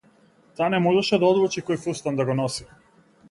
Таа не можеше да одлучи кој фустан да го носи.